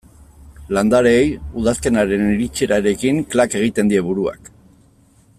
Landareei udazkenaren iritsierarekin klak egiten die buruak.